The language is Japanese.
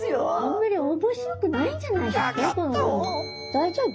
大丈夫？